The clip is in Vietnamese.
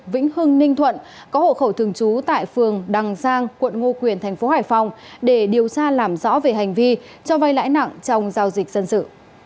vĩnh hưng ninh thuận có hộ khẩu thường trú tại phường đằng giang quận ngo quyền thành phố hải phòng để điều tra làm rõ về hành vi cho vay lãi nặng trong giao dịch dân sự